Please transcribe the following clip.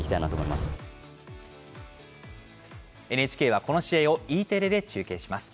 ＮＨＫはこの試合をＥテレで中継します。